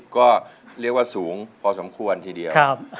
ก็เรียกว่าสูงพอสมควรทีเดียว